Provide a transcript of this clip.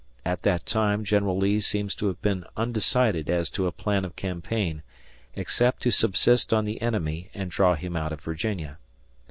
At that time General Lee seems to have been undecided as to a plan of campaign, except to subsist on the enemy and draw him out of Virginia.